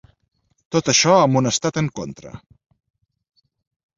Tot això amb un estat en contra.